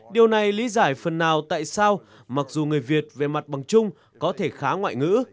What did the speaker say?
điều này lý giải phần nào tại sao mặc dù người việt về mặt bằng chung có thể khá ngoại ngữ